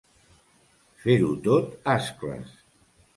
Fer-ho tot ascles.